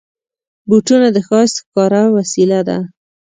بوټونه د ښایست ښکاره وسیله ده.